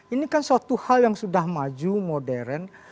ini kan suatu hal yang sudah maju modern